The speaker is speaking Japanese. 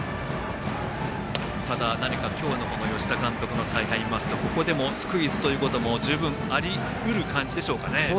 ただ、何か今日の吉田監督の采配を見ますとここでもスクイズということも十分、ありうる感じでしょうか。